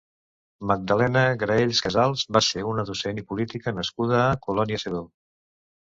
Magdalena Graells Casals va ser una docent i política nascuda a Colònia Sedó.